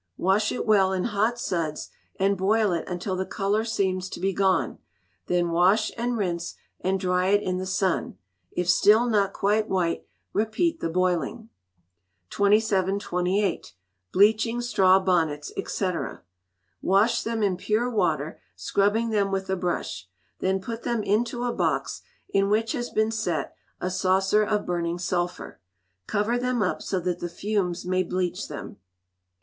Wash it well in hot suds, and boil it until the colour seems to be gone, then wash, and rinse, and dry it in the sun; if still not quite white, repeat the boiling. 2728. Bleaching Straw Bonnets, &c. Wash them in pure water, scrubbing them with a brush. Then put them into a box in which has been set a saucer of burning sulphur. Cover them up, so that the fumes may bleach them.